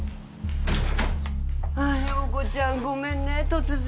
あっ洋子ちゃんごめんね突然。